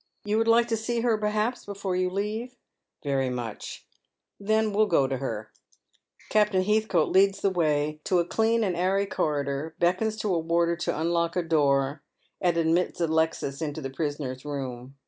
" You would like to see her, perhaps, before you leave ?"" Very much." " Then we'll go to her." Captain Heathcote leads the way to a clean and airy corridor, beckons to a warder to unlock a door, and admits Alexis into the prisoner's room.